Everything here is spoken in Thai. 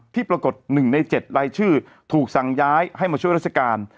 ที่ปรากฏ๑ใน๗รายชื่อถูกสั่งย้ายให้มาช่วยราชการ